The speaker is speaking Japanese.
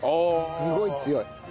すごい強い。